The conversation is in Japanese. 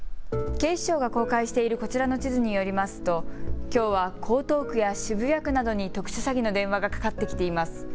警視庁が公開しているこちらの地図によりますときょうは江東区や渋谷区などに特殊詐欺の電話がかかってきています。